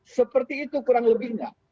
seperti itu kurang lebihnya